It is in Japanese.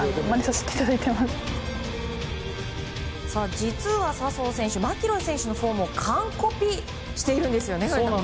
実は、笹生選手マキロイ選手のフォームを完コピしているんですね。